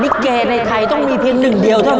ลิเกในไทยต้องมีเพียงหนึ่งเดียวเท่านั้น